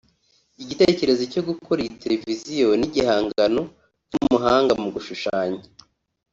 Igitekerezo cyo gukora iyi televiziyo ni igihangano cy’umuhanga mu gushushanya